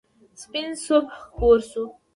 سپین صبح خپور شو.